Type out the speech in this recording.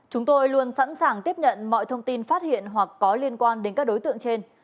chúng tôi luôn sẵn sàng tiếp nhận mọi thông tin phát hiện hoặc có liên quan đến các đối tượng trên